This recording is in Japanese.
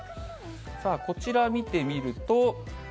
こちら見てみると。